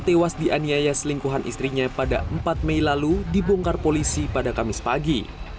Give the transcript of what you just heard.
tewas dianiaya selingkuhan istrinya pada empat mei lalu dibongkar polisi pada kamis pagi